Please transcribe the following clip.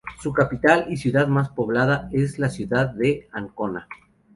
Su capital, y ciudad más poblada, es la ciudad de Ancona.